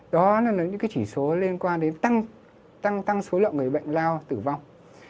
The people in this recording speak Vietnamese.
đó là những chỉ số liên quan đến tăng số lượng người bệnh lao tử vong